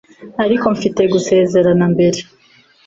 ariko mfite gusezerana mbere.